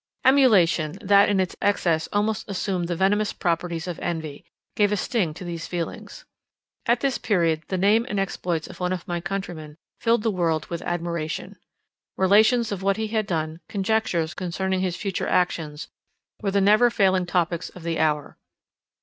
Emulation, that in its excess almost assumed the venomous properties of envy, gave a sting to these feelings. At this period the name and exploits of one of my countrymen filled the world with admiration. Relations of what he had done, conjectures concerning his future actions, were the never failing topics of the hour.